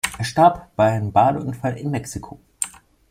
Er starb bei einem Badeunfall in Mexiko.